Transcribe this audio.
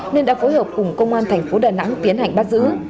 nên đã phối hợp cùng công an tp đà nẵng tiến hành bắt giữ